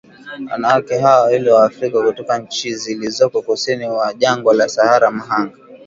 Wanawake hawa wawili Waafrika kutoka nchi zilizoko kusini mwa jangwa la Sahara mhanga